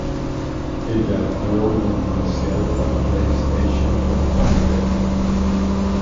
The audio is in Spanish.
Ella actuó en un comercial para PlayStation Portable.